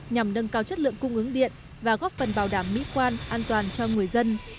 nhằm nâng cao chất lượng cung ứng điện và góp phần bảo đảm mỹ quan an toàn cho người dân